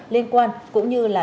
liên quan cũng như là